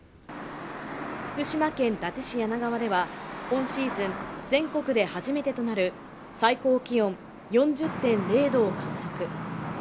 福島県伊達市梁川では今シーズン、全国で初めてとなる最高気温４０．０度を観測。